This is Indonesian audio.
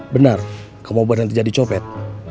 benar kamu mau berhenti jadi copet